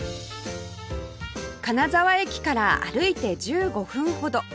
金沢駅から歩いて１５分ほど